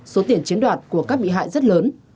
số tiền chiếm đoạt của các bị hại rất lớn